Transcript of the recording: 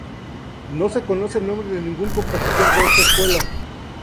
No se conoce el nombre de ningún compositor de esta escuela.